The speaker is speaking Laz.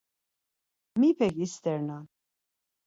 Mipek isternan?